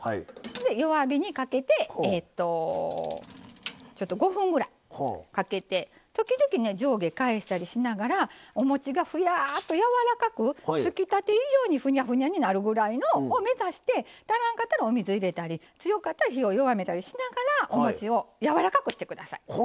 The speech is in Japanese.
弱火にかけてちょっと５分ぐらいかけて時々ね上下返したりしながらおもちがふやっとやわらかくつきたて以上にふにゃふにゃになるぐらいを目指して足らんかったらお水を入れたり強かったら火を弱めたりしながらおもちをやわらかくして下さい。